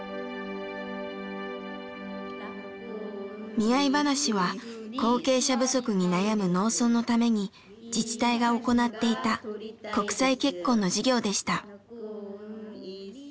見合い話は後継者不足に悩む農村のために自治体が行っていた国際結婚の事業でした。